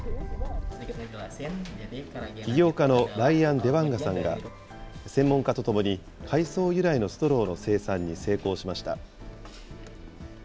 起業家のライアン・デワンガさんが、専門家と共に海藻由来のストローの生産に成功しました。